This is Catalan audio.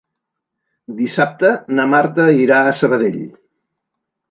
Dissabte na Marta irà a Sabadell.